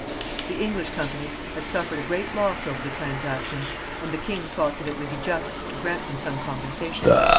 The English company had suffered a great loss over the transaction, and the king thought that it would be just to grant them some compensation.